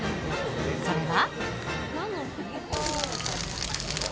それは。